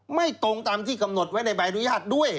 ไม่ตรงตามที่กำหนดไว้ในใบอนุญาตด้วย